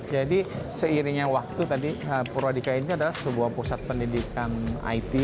jadi seiringnya waktu tadi purwa dika ini adalah sebuah pusat pendidikan it